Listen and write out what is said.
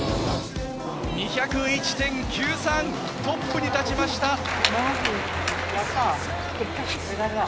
２０１．９３、トップに立ちました。